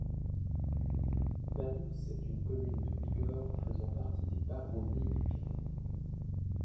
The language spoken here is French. Banios est une commune de Bigorre faisant partie des Baronnies des Pyrénées.